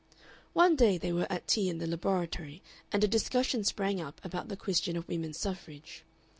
One day they were at tea in the laboratory and a discussion sprang up about the question of women's suffrage.